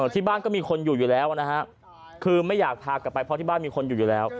ที่บ้านก็มีคนอยู่อยู่แล้วนะฮะคือไม่อยากพากลับไปเพราะที่บ้านมีคนอยู่อยู่แล้ว